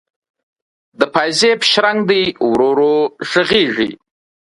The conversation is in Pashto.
د پایزیب شرنګ دی ورو ورو ږغیږې